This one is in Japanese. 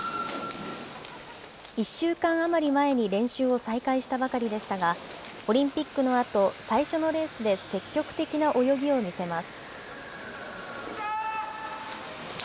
１週間余り前に練習を再開したばかりでしたが、オリンピックのあと、最初のレースで積極的な泳ぎを見せます。